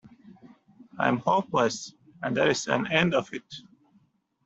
I'm hopeless, and there's an end of it.